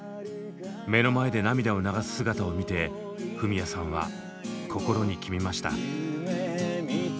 目の前で涙を流す姿を見てフミヤさんは心に決めました。